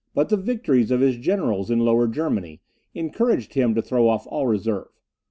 But the victories of his generals in Lower Germany encouraged him to throw off all reserve.